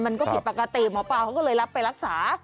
มันก็ผิดปกติหมอปลาเขาก็เลยรับไปรักษา